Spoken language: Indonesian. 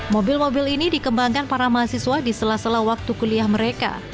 mobil mobil ini dikembangkan para mahasiswa di sela sela waktu kuliah mereka